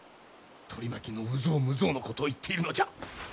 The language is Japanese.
取り巻きの有象無象のことを言っているのじゃ。